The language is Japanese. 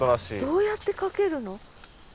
どうやってかけるの？